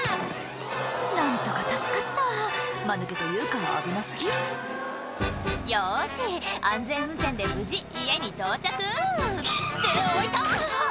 何とか助かったマヌケというか危な過ぎ「よし安全運転で無事家に到着」「ってあ痛っ」